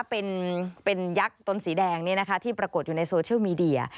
เป็นยักษ์ตนสีแดงที่ปรากฏอยู่ในโซเชียลมีเดีย